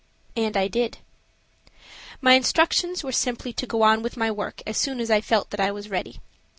And I did. My instructions were simply to go on with my work as soon as I felt that I was ready.